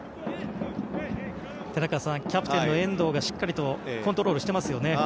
寺川さんキャプテンの遠藤がしっかりとコントロールしていますよね。